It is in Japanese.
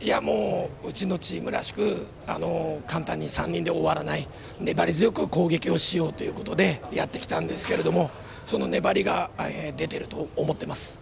うちのチームらしく簡単に３人で終わらない粘り強く攻撃をしようということでやってきたんですけれどもその粘りが出ていると思ってます。